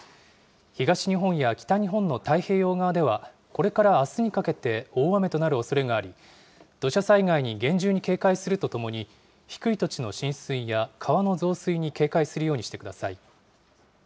東日本や北日本の太平洋側では、これからあすにかけて大雨となるおそれがあり、土砂災害に厳重に警戒するとともに、低い土地の浸水や川の増水に警戒するようにしてください。